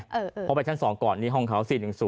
เพราะไปชั้น๒ก่อนนี่ห้องเขา๔๑๐